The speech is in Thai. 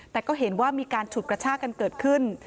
แต่ก็เห็นว่ามีการฉุดกระชากันเกิดขึ้น